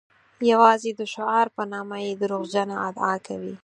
یوازې د شعار په نامه یې دروغجنه ادعا کوي.